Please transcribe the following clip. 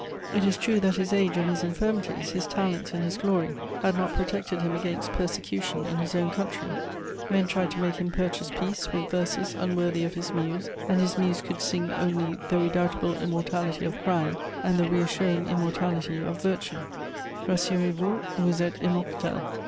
It is true that his age and his infirmities, his talents and his glory had not protected him against persecution in his own country. Men tried to make him purchase peace with verses unworthy of his muse, and his muse could sing only the redoubtable immortality of crime and the reassuring immortality of virtue: "Rassurez vous, vous êtes immortels!